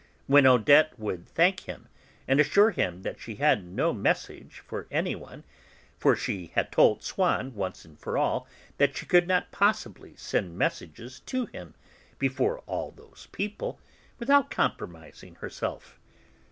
But Odette would thank him, and assure him that she had no message for anyone, for she had told Swann, once and for all, that she could not possibly send messages to him, before all those people, without compromising herself.